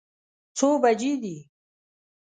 څو بجې دي؟